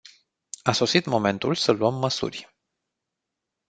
A sosit momentul să luăm măsuri.